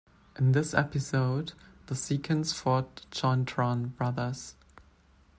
In this episode the Seacons fought the Jointron Brothers.